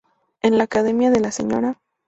En la Academia de la Sra.